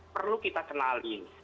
perlu kita kenalin